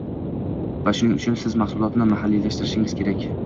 va shuning uchun siz mahsulotni mahalliylashtirishingiz kerak.